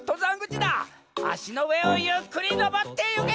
あしのうえをゆっくりのぼってゆけ！